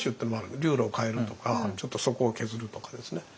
流路を変えるとかちょっと底を削るとかですね。